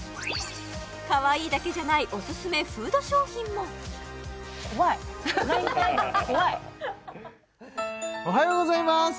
かわいいだけじゃないおすすめフード商品もおはようございます